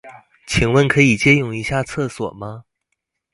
請問可以借用一下廁所嗎？